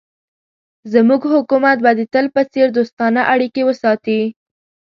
زموږ حکومت به د تل په څېر دوستانه اړیکې وساتي.